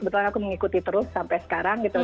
kebetulan aku mengikuti terus sampai sekarang gitu